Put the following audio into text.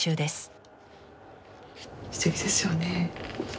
すてきですよね。